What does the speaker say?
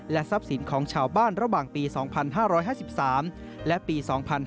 ทรัพย์สินของชาวบ้านระหว่างปี๒๕๕๓และปี๒๕๕๙